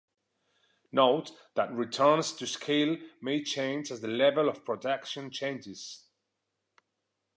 Note that returns to scale may change as the level of production changes.